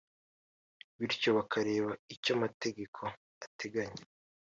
bityo bakareba icyo amategeko ateganya